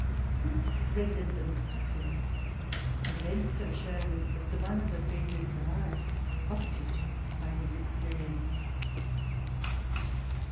This rendered them popular, and events have shown that the one of the three who survived profited by his experience.